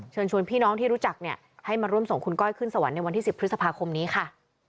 ชวนพี่น้องที่รู้จักเนี่ยให้มาร่วมส่งคุณก้อยขึ้นสวรรค์ในวันที่๑๐พฤษภาคมนี้ค่ะ